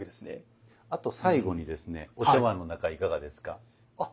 あと最後にですねお茶碗の中いかがですか。